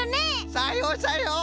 さようさよう。